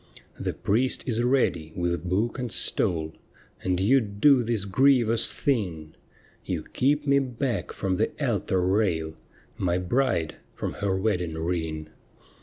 ' The priest is ready with book and stole, And you do this grievous thing : You keep me back from the altar rail — My bride from her wedding ring.'